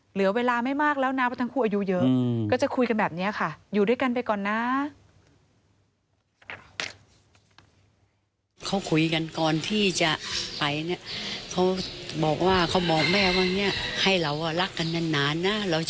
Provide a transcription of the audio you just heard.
เหลือเวลาไม่มากแล้วนะก็จะคุยกันแบบเนี่ยค่ะ